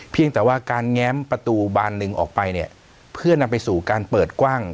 เพียงแต่ว่าการแง้มประตูบานหนึ่งออกไปเนี่ยเพื่อนำไปสู่การเปิดกว้าง